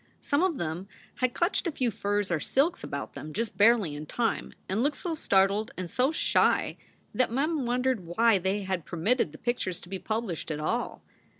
Some of them had clutched a few furs or silks about them just barely in time, and looked so startled and so shy that Mem wondered why they had permitted the pictures to be published at all.